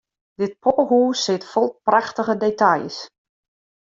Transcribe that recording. Dit poppehûs sit fol prachtige details.